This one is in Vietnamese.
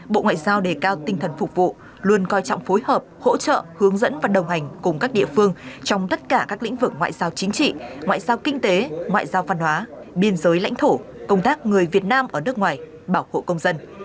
bộ ngoại giao đề cao tinh thần phục vụ luôn coi trọng phối hợp hỗ trợ hướng dẫn và đồng hành cùng các địa phương trong tất cả các lĩnh vực ngoại giao chính trị ngoại giao kinh tế ngoại giao văn hóa biên giới lãnh thổ công tác người việt nam ở nước ngoài bảo hộ công dân